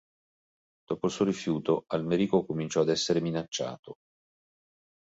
Dopo il suo rifiuto, Almerico cominciò ad essere minacciato.